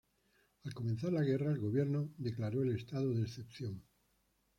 Al comenzar la guerra, el gobierno declaró el estado de excepción.